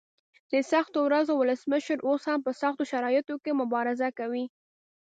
د سختو ورځو ولسمشر اوس هم په سختو شرایطو کې مبارزه کوي.